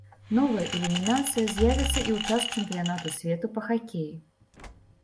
Новая ілюмінацыя з'явіцца і ў час чэмпіянату свету па хакеі.